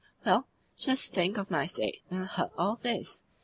"Well, just think of my state when I heard all this!